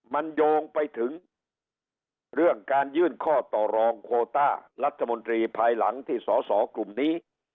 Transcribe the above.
มันโยงไปถึงเรื่องการยื่นข้อต่อรองโคต้ารัฐมนตรีภายหลังที่สอสอกลุ่มนี้